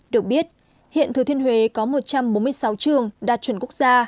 được biết hiện thừa thiên huế có một trăm bốn mươi sáu trường đạt chuẩn quốc gia